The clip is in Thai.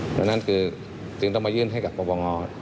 เพราะนั้นจึงต้องมายื่นให้กับประวังออธิบัติ